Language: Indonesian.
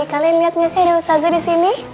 kalian liat gak sih ada ustazah disini